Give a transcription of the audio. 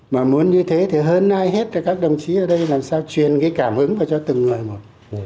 mà muốn như thế thì hơn ai hết là các đồng chí ở đây làm sao truyền cái cảm hứng vào cho từng người một